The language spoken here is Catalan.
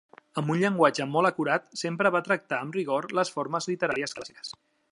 Amb un llenguatge molt acurat, sempre va tractar amb rigor les formes literàries clàssiques.